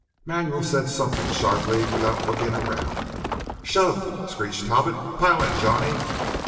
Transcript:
Manuel said something sharply, without looking around. "Shove!" screeched Talbot. "Pile in, Johnny!"